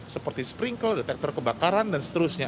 seperti sprinkle detektor kebakaran dan seterusnya